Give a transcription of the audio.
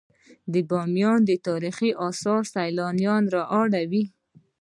د بامیان تاریخي اثار سیلانیان راوړي